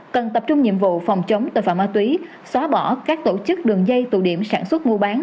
cần tập trung nhiệm vụ phòng chống tội phạm ma túy xóa bỏ các tổ chức đường dây tụ điểm sản xuất mua bán